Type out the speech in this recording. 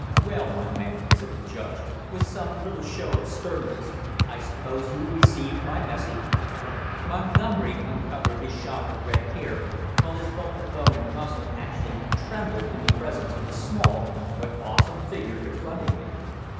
"Well, my man!" said the judge, with some little show of sternness. "I suppose you received my message?" Montgomery uncovered his shock of red hair, while his bulk of bone and muscle actually trembled in the presence of the small but awesome figure confronting him.